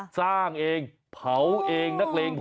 สร้างเองเผาเองนักเลงพอ